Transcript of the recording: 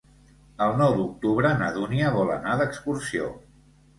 El nou d'octubre na Dúnia vol anar d'excursió.